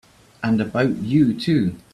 And about you too!